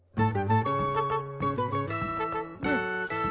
うん！